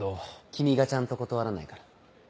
君がちゃんと断らないから。